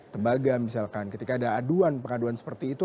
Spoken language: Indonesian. tembaga misalkan ketika ada aduan pengaduan seperti itu